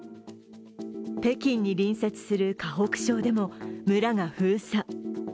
北京に隣接する河北省でも村が封鎖。